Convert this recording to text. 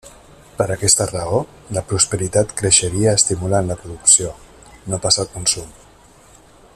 Per aquesta raó, la prosperitat creixeria estimulant la producció, no pas el consum.